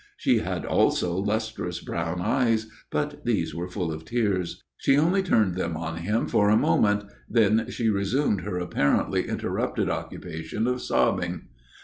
She had also lustrous brown eyes; but these were full of tears. She only turned them on him for a moment; then she resumed her apparently interrupted occupation of sobbing.